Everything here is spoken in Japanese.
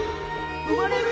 生まれる？